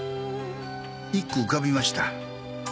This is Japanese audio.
一句浮かびました。